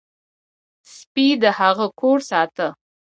سپي د هغه کور ساته.